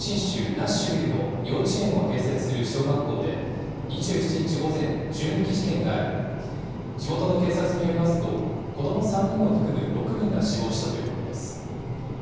ナッシュビルの幼稚園を併設する小学校で２７日午前、銃撃事件があり、地元の警察によりますと、子ども３人を含む６人が死亡したということです。